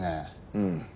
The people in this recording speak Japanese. うん。